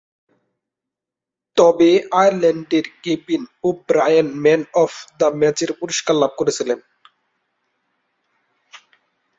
তবে, আয়ারল্যান্ডের Kevin O'Brien man of the ম্যাচের পুরস্কার লাভ করেছিলেন।